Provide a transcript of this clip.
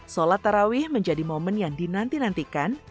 salat taraweeh menjadi momen yang dinantikan